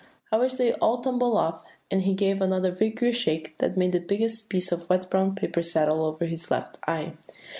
"I wish they'd all tumble off;" and he gave another vigorous shake, that made the biggest piece of wet brown paper settle over his left eye.